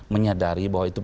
menyadari bahwa itu